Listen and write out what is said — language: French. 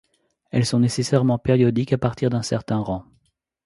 Elles sont nécessairement périodiques à partir d'un certain rang.